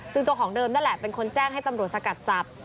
ซึ่งเจ้าของเดิมนั่นแหละเป็นคนแจ้งให้ตำรวจสกัดจับ